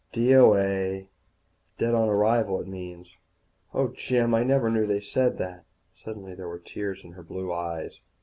"D.O.A. Dead on arrival, it means. Oh, Jim, I never knew they said that." Suddenly there were tears in her blue eyes.